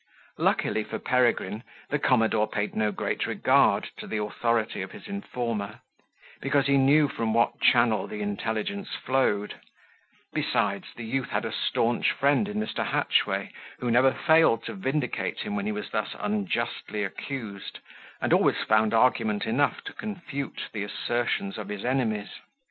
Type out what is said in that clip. Luckily for Peregrine, the commodore paid no great regard to the authority of his informer, because he knew from what channel the intelligence flowed; besides, the youth had a staunch friend in Mr. Hatchway, who never failed to vindicate him when he was thus unjustly accused, and always found argument enough to confute the assertions of his enemies.